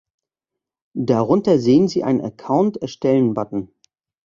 Darunter sehen Sie einen Account erstellen-Button.